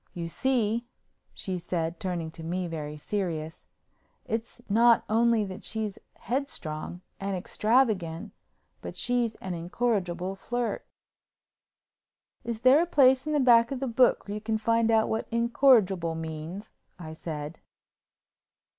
You see," she said, turning to me very serious, "it's not only that she's head strong and extravagant but she's an incorrigible flirt." "Is there a place in the back of the book where you can find out what incorrigible means?" I said.